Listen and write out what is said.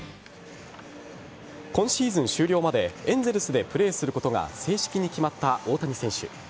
今シーズン終了までエンゼルスでプレーすることが正式に決まった大谷選手。